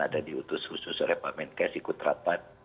ada diutus khusus repamenkes ikut rapat